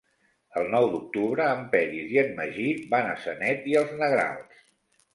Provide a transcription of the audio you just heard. El nou d'octubre en Peris i en Magí van a Sanet i els Negrals.